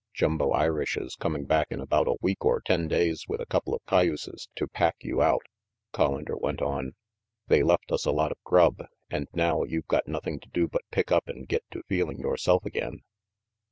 "Jumbo Irish is coming back in about a week or ten days with a couple of cay uses to pack you out," Collander went on. "They left us a lot of grub, and now you've got nothing to do but pick up and get to feeling yoreself again."